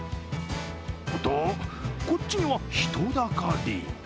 と、こっちには人だかり。